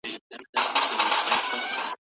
که مثلثات وي نو زاویه نه غلطیږي.